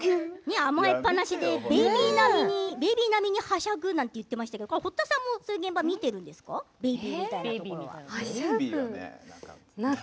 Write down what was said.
甘えっぱなしベイビー並みに、はしゃぐって言ってましたけれども堀田さんもそういう現場を見てるんですか。